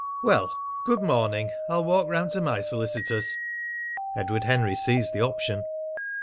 "Well, good morning. I'll walk round to my solicitors." Edward Henry seized the option.